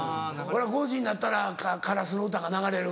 ５時になったらカラスの歌が流れる。